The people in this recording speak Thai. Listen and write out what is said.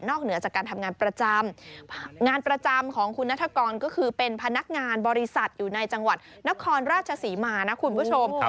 เหนือจากการทำงานประจำงานประจำของคุณนัฐกรก็คือเป็นพนักงานบริษัทอยู่ในจังหวัดนครราชศรีมานะคุณผู้ชม